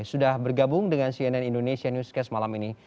sudah bergabung dengan cnn indonesia newscast malam ini